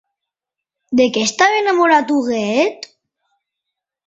De què estava enamorat Huguet?